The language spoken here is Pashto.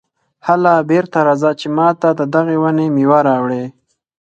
هله بېرته راځه چې ماته د دغې ونې مېوه راوړې.